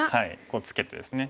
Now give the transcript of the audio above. こうツケてですね。